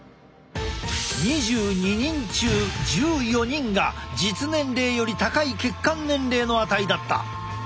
２２人中１４人が実年齢より高い血管年齢の値だった。